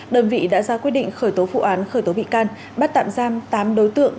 đơn vị đã ra quyết định khởi tố vụ án khởi tố bị can bắt tạm giam tám đối tượng